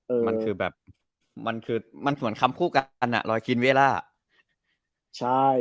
อืมมันคือแบบมันคือมันเหมือนคำพูดอ่ะอันอ่ะรอยกินเวลาใช่